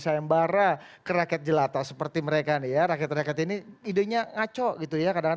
sayang bara keragat jelata seperti mereka nih ya rakyat rakyat ini idenya ngaco gitu ya kadang